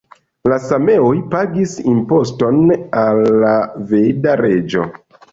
La sameoj pagis imposton al la veda reĝo.